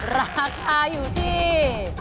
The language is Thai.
ราคาอยู่ที่